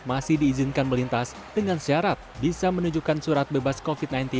masih diizinkan melintas dengan syarat bisa menunjukkan surat bebas covid sembilan belas